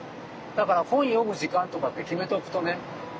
だから本読む時間とかって決めとくとね。